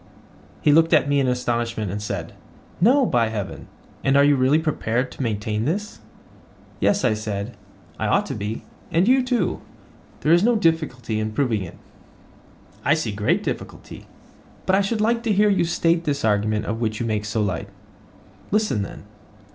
He looked at me in astonishment, and said: No, by heaven: And are you really prepared to maintain this? Yes, I said, I ought to be, and you too—there is no difficulty in proving it. I see a great difficulty; but I should like to hear you state this argument of which you make so light. Listen then.